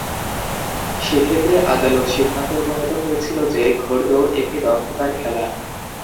সেক্ষেত্রে আদালত সিদ্ধান্তে উপনীত হয়েছিল যে ঘোড়দৌড় একটি দক্ষতার খেলা।